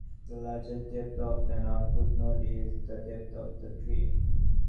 The largest depth of an output node is the depth of the tree.